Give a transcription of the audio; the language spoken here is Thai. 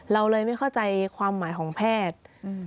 เราเลยไม่เข้าใจความหมายของแพทย์